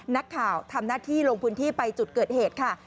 นักข่าวทำหน้าที่ลงพื้นที่ไปจุดเกิดเหตุค่ะ